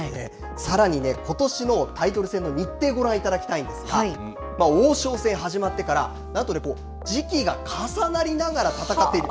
さらに、ことしのタイトル戦の日程ご覧いただきたいんですが王将戦始まってから何と時期が重なりながら戦っている。